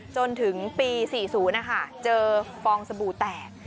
จนถึงปี๔๐นะคะเจอฟองสบู่แตก